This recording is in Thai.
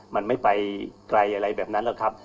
มันไม่ไปไกลอะไรแบบนั้นหรอกครับ